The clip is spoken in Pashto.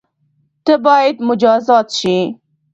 ته بايد مجازات شی